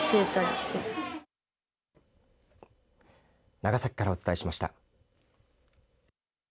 長崎からお伝えしました。